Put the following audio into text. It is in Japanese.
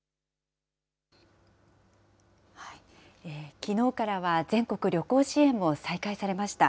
きのうからは全国旅行支援も再開されました。